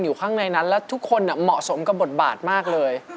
อยู่ข้างในนั้นแล้วทุกคนเหมาะสมกับบทบาทมากเลย